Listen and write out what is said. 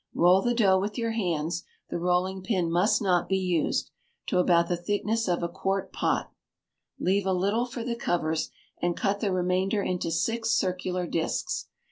Roll the dough with your hands the rolling pin must not be used to about the thickness of a quart pot; leave a little for the covers, and cut the remainder into six circular discs.